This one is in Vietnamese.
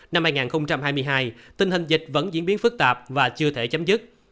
năm hai nghìn hai mươi hai tình hình dịch vẫn diễn biến phức tạp và chưa thể chấm dứt